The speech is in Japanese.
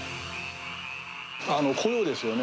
雇用ですよね。